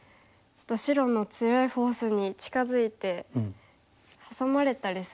ちょっと白の強いフォースに近づいてハサまれたりすると。